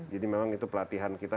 jadi memang itu pelatihan kita